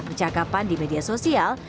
percakapan di media sosial